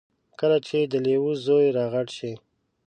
کله چې د لیوه زوی را غټ شي.